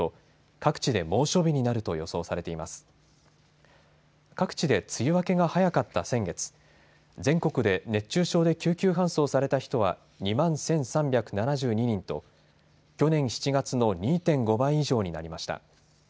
各地で梅雨明けが早かった先月、全国で熱中症で救急搬送された人は２万１３７２人と去年７月の２．５倍以上になりました。